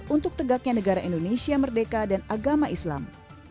untuk tegaknya negara indonesia merdeka dan agama islam